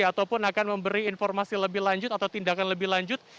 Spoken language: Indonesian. ataupun akan memberi informasi lebih lanjut atau tindakan lebih lanjut